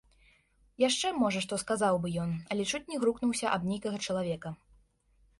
Яшчэ, можа, што сказаў бы ён, але чуць не грукнуўся аб нейкага чалавека.